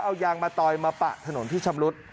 เอายางมะตอยมาปะถนนที่ชำรุด